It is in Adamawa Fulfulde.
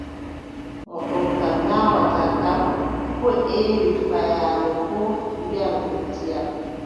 Mo ɗomka naawata kam, koo ƴeewi faayaalo boo, wiʼa ɗum ndiyam.